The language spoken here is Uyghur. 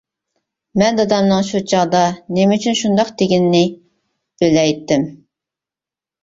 مەن دادامنىڭ شۇ چاغدا نېمە ئۈچۈن شۇنداق دېگىنىنى بىلەيتتىم.